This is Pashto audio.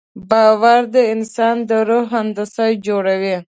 باور د انسان د روح هندسه جوړوي.